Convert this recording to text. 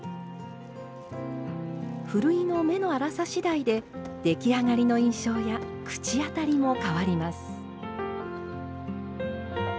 ふるいの目の粗さ次第で出来上がりの印象や口当たりも変わります。